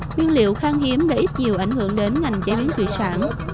nguyên liệu khang hiếm đã ít nhiều ảnh hưởng đến ngành chế biến thủy sản